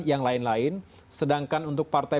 yang lain lain sedangkan untuk partai